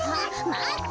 まって！